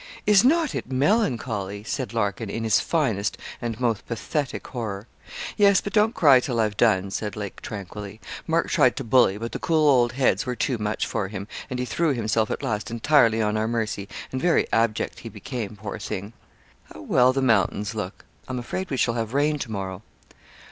Is not it melancholy?' said Larkin, in his finest and most pathetic horror. 'Yes; but don't cry till I've done,' said Lake, tranquilly. 'Mark tried to bully, but the cool old heads were too much for him, and he threw himself at last entirely on our mercy and very abject he became, poor thing.' 'How well the mountains look! I am afraid we shall have rain to morrow.'